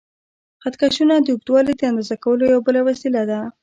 خط کشونه د اوږدوالي د اندازه کولو یوه بله وسیله ده.